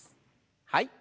はい。